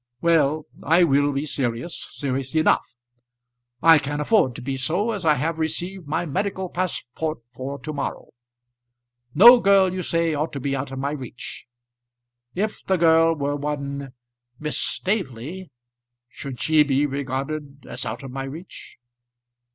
"Well, I will be serious serious enough. I can afford to be so, as I have received my medical passport for to morrow. No girl, you say, ought to be out of my reach. If the girl were one Miss Staveley, should she be regarded as out of my reach?"